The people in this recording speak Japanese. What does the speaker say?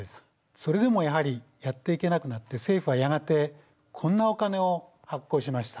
それでもやはりやっていけなくなって政府はやがてこんなお金を発行しました。